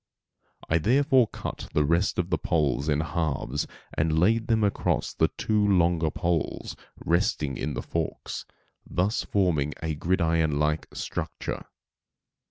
I therefore cut the rest of the poles in halves and laid them across the two longer poles resting in the forks, thus forming a gridiron like structure.